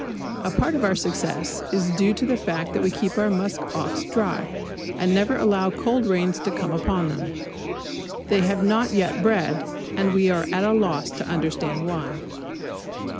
A part of our success is due to the fact that we keep our musk ox dry, and never allow cold rains to come upon them. They have not yet bred; and we are at a loss to understand why.